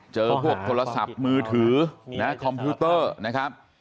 เจอพวกโทรศัพท์มือถือนะคอมพิวเตอร์นะครับ